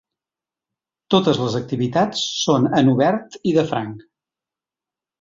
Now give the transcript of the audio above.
Totes les activitats són en obert i de franc.